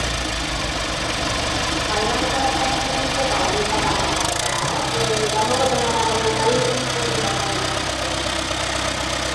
Bertako apaiz eta organista Juan Berekoetxearekin hasi zen musika ikasten.